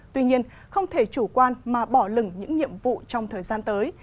tuy nhiên không thể chủ quan mà bỏ lừng những nhiệm vụ trong thời gian tới